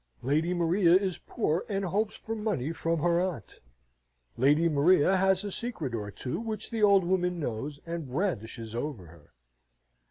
Lady Maria is poor, and hopes for money from her aunt. Lady Maria has a secret or two which the old woman knows, and brandishes over her.